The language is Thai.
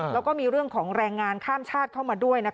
แล้วก็มีเรื่องของแรงงานข้ามชาติเข้ามาด้วย